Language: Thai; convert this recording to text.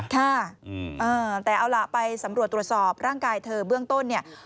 ค่ะแต่เอาล่ะไปสำรวจตรวจสอบร่างกายเธอเบื้องต้นเนี่ย